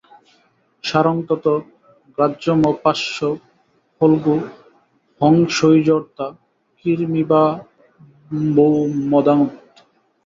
সারং ততো গ্রাহ্যমপাস্য ফল্গু হংসৈর্যথা ক্ষীরমিবাম্বুমধ্যাৎ।